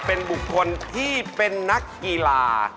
เป็นบุคคลที่เป็นนักกีฬา